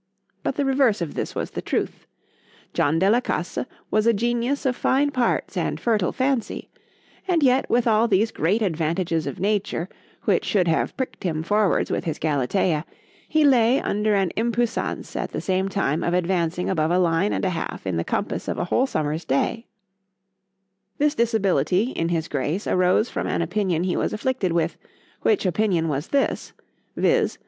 — But the reverse of this was the truth: John de la Casse was a genius of fine parts and fertile fancy; and yet with all these great advantages of nature, which should have pricked him forwards with his Galatea, he lay under an impuissance at the same time of advancing above a line and a half in the compass of a whole summer's day: this disability in his Grace arose from an opinion he was afflicted with,—which opinion was this,—_viz.